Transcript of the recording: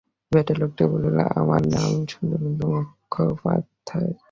বেঁটে লোকটি বলিল, আমার নাম শ্রীদারুকেশ্বর মুখোপাধ্যায়।